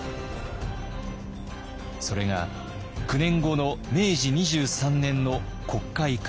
それが９年後の明治２３年の国会開設。